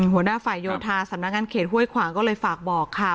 หัวหน้าฝ่ายโยธาสำนักงานเขตห้วยขวางก็เลยฝากบอกค่ะ